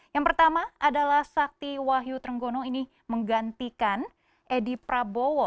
yang pertama adalah sakti wahyu trenggono ini menggantikan edi prabowo